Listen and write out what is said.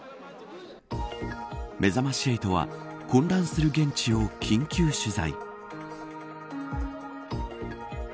めざまし８は混乱する現地を緊急取材。